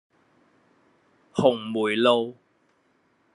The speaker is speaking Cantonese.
紅梅路